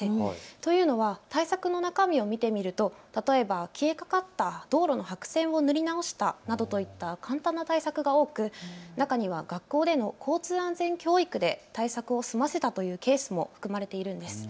というのは対策の中身を見てみると、例えば消えかかった道路の白線を塗り直したなどといった簡単な対策が多く、中には学校での交通安全教育で対策を済ませたというケースも含まれているんです。